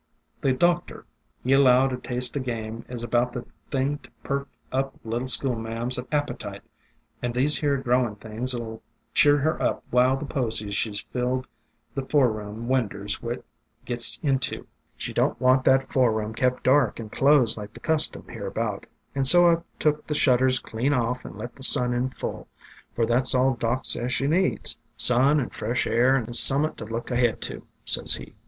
The doctor, he allowed a taste o' game is about the thing to perk up little school ma'am's ap petite, and these here grow in' things '11 cheer her up while the posies she 's filled the fore room winders with gets into 34O AFTERMATH "She don't want that foreroom kept dark and closed like the custom hereabout, and so I 've took the shutters clean off and let the sun in full, for that 's all Doc says she needs, 'Sun and fresh air and some'at to look ahead to,' sez he.